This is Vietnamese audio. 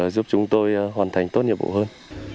giúp chúng tôi hoàn thành tốt nhiệm vụ hơn